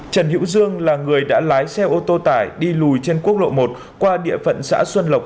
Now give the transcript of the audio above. trần hữu dương là người đã lái xe ô tô tải đi lùi trên quốc lộ một qua địa phận xã xuân lộc